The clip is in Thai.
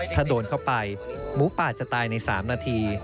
ถ้าโดนเข้าไปหมูป่าจะตายใน๓นาที